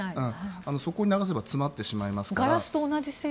そこに流せば詰まってしまいますので。